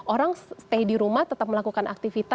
orang stay di rumah tetap melakukan aktivitas